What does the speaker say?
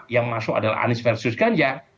yang masuk adalah anies versus ganjar